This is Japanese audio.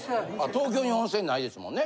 東京に温泉ないですもんね。